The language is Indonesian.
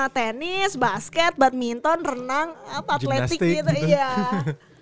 tennis basket badminton renang apa atletik gitu